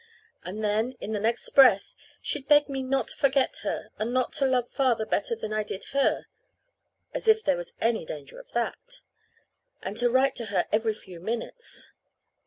And then, in the next breath, she'd beg me not to forget her, and not to love Father better than I did her. (As if there was any danger of that!) And to write to her every few minutes.